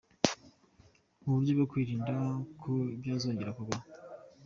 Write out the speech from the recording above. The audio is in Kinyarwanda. mu buryo bwo kwirinda ko byazongera kubaho